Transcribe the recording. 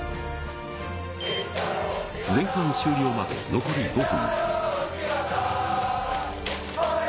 前半終了まで残り５分。